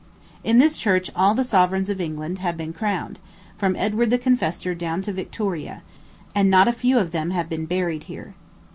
In this church all the sovereigns of England have been crowned, from Edward the Confessor down to Victoria; and not a few of them have been buried here.